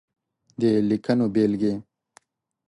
د ليکنو بېلګې :